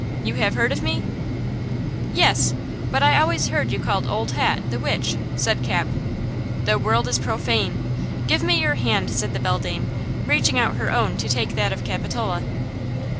"You have heard of me?" "Yes, but I always heard you called Old Hat, the Witch," said Cap. "The world is profane–give me your hand!" said the beldame, reaching out her own to take that of Capitola.